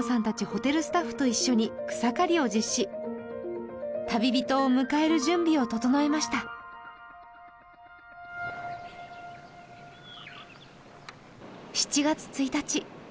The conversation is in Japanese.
達ホテルスタッフと一緒に草刈りを実施旅人を迎える準備を整えました７月１日